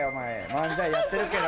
漫才やってるけど。